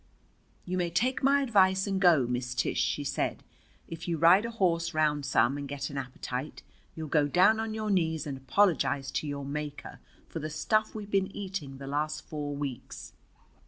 "You take my advice and go, Miss Tish," she said. "If you ride a horse round some and get an appetite, you'll go down on your knees and apologize to your Maker for the stuff we've been eating the last four weeks."